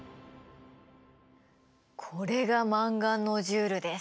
これがマンガンノジュールです！